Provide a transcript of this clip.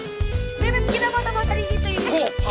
mem kita mau tamu tamu disitu ya kan